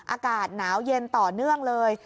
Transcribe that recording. อากาศหนาวเย็นต่อเนื่องเลย